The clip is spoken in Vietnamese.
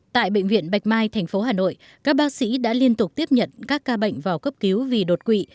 tại bệnh viện bạch mai thành phố hà nội các bác sĩ đã liên tục tiếp nhận các ca bệnh vào cấp cứu vì đột quỵ